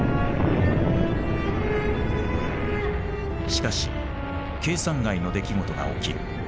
しかし計算外の出来事が起きる。